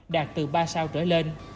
đạt từ ba sao trở lên